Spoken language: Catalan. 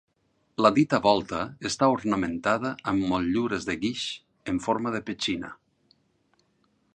La dita volta està ornamentada amb motllures de guix en forma de petxina.